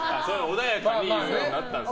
穏やかに言うようになったんですね。